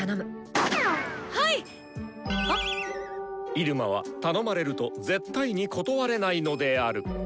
入間は頼まれると絶対に断れないのである。